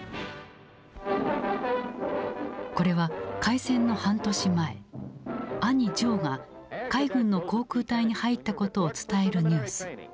これは開戦の半年前兄ジョーが海軍の航空隊に入ったことを伝えるニュース。